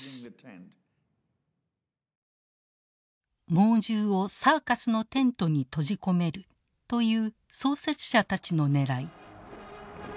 猛獣をサーカスのテントに閉じ込めるという創設者たちのねらい。